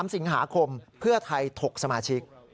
๓สิงหาคมเพื่อไทยถกสมาชิก